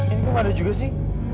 ini kok ada juga sih